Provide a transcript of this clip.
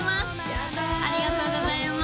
やったありがとうございます